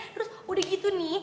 terus udah gitu nih